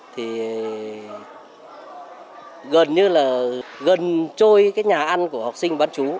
thì gần như là gần trôi cái nhà ăn của học sinh bán chú